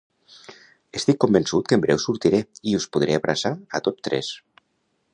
Estic convençut que en breu sortiré i us podré abraçar a tots tres!